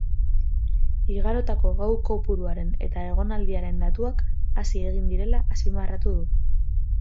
Igarotako gau kopuruaren eta egonaldiaren datuak hazi egin direla azpimarratu du.